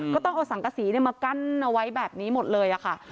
ก็ต้องเอาสังกษีมากั้นเอาไว้แบบนี้หมดเลยค่ะ